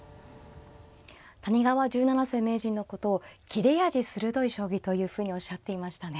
谷川十七世名人のことを切れ味鋭い将棋というふうにおっしゃっていましたね。